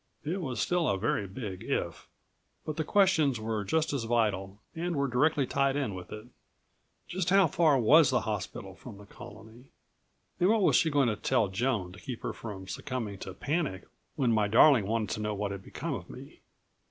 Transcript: It was still a very big if, but the questions were just as vital, and were directly tied in with it. Just how far was the hospital from the Colony? And what was she going to tell Joan to keep her from succumbing to panic when my darling wanted to know what had become of me?